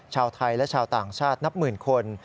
ชาวไทยและชาวต่างชาตินับหมื่นคน